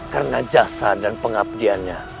karena jasa dan pengabdiannya